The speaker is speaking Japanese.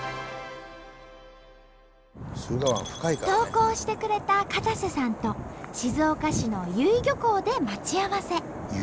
投稿してくれた片瀬さんと静岡市の由比漁港で待ち合わせ。